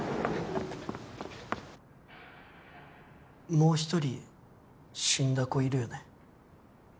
もう一人死んだ子いるよね？